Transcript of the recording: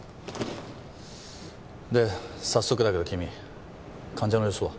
で早速だけど君患者の様子は？